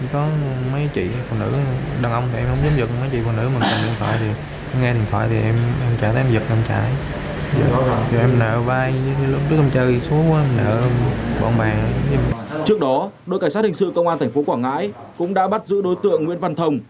trước đó đội cảnh sát hình sự công an thành phố quảng ngãi cũng đã bắt giữ đối tượng nguyễn văn thồng